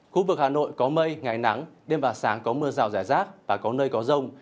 khu vực hà nội có mây ngày nắng đêm và sáng có mưa rào rải rác và có nơi có rông